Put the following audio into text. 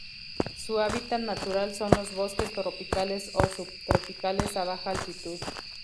Su hábitat natural son los bosques tropicales o subtropicales a baja altitud.